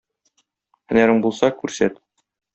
Һөнәрең булса, күрсәт